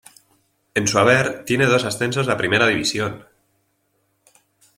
En su haber tiene dos ascensos a Primera División.